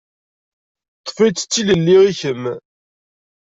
Ṭṭef-itt d tilelli i kemm.